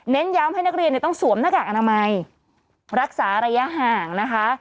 ย้ำให้นักเรียนต้องสวมหน้ากากอนามัยรักษาระยะห่างนะคะ